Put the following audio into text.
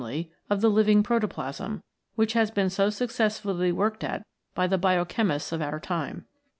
of the living protoplasm, which has been so successfully worked at by the biochemists of our time.